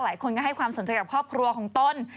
หลายคนก็ให้ความสนใจกับครอบครัวของต้น